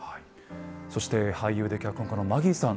そして俳優で脚本家のマギーさん。